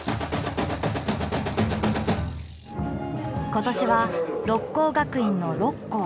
今年は六甲学院の六甲